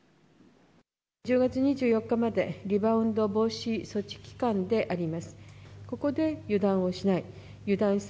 １０月２４日まで、リバウンド防止措置期間であります。